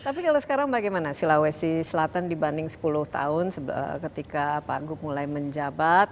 tapi kalau sekarang bagaimana sulawesi selatan dibanding sepuluh tahun ketika pak gup mulai menjabat